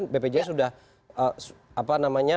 bpjs sudah apa namanya